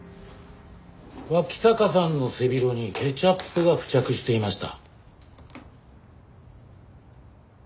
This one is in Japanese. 脇坂さんの背広にケチャップが付着していました。